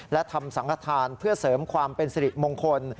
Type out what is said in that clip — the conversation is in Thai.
และทำสังฆฐานเพื่อเสริมความเป็นสิริมงคล